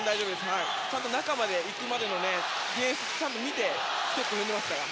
ちゃんと中に行くまでディフェンスをちゃんと見てステップを踏んでますから。